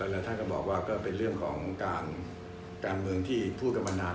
แต่ถ้าบอกว่าเป็นเรื่องของการเมืองที่พูดกันมานาน